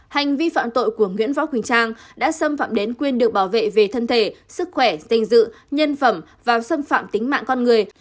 hành vi phạm tội của nguyễn võ huỳnh trang đã xâm phạm đến quyền được bảo vệ về thân thể sức khỏe danh dự nhân phẩm và xâm phạm tính mạng con người